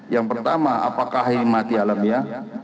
yang pertama apakah ini mati alam ya